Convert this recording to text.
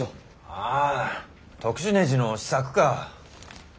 ああ特殊ねじの試作か。